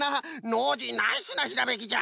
ノージーナイスなひらめきじゃ。